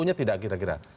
jpu nya tidak kira kira